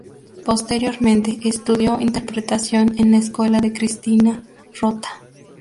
Posteriormente estudió interpretación en la escuela de Cristina Rota.